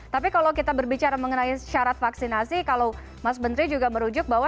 tapi kalau kita berbicara mengenai syarat vaksinasi kalau mas menteri juga merujuk bahwa